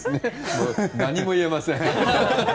何も言えません。